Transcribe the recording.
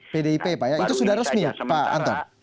pdip pak ya itu sudah resmi pak anton